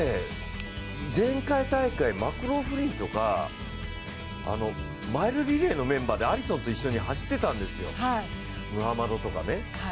前回大会、マクローフリンとか、マイルリレーのメンバーでアリソンと一緒に走ってたんですよ、ムハマドとかね。